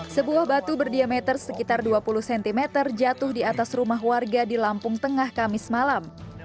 sebuah batu berdiameter sekitar dua puluh cm jatuh di atas rumah warga di lampung tengah kamis malam